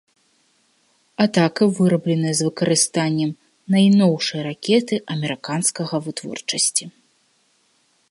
Атака вырабленая з выкарыстаннем найноўшай ракеты амерыканскага вытворчасці.